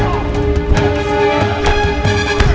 kau tak bisa berpikir pikir